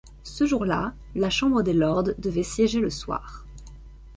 Ce jour-là, la chambre des lords devait siéger le soir.